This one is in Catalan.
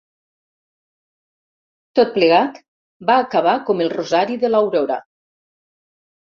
Tot plegat va acabar com el rosari de l'aurora.